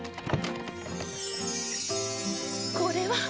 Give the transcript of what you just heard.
これは！？